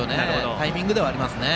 タイミングではありますね。